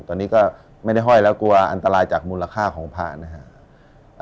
ตอนนี้ก็ไม่ได้ห้อยแล้วกลัวอันตรายจากมูลค่าของผ่านนะครับ